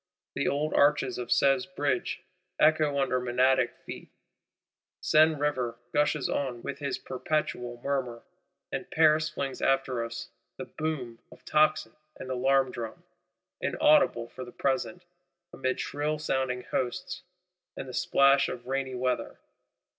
The old arches of Sèvres Bridge echo under Menadic feet; Seine River gushes on with his perpetual murmur; and Paris flings after us the boom of tocsin and alarm drum,—inaudible, for the present, amid shrill sounding hosts, and the splash of rainy weather.